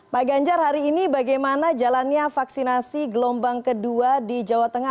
pak ganjar hari ini bagaimana jalannya vaksinasi gelombang kedua di jawa tengah